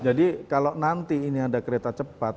jadi kalau nanti ini ada kereta cepat